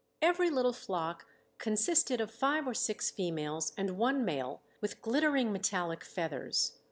Every little flock consisted of five or six females and one male, with glittering metallic feathers.